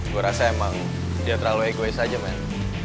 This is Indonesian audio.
gue rasa emang dia terlalu egois aja main